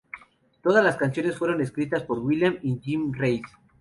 Todas las canciones fueron escritas por William y Jim Reid.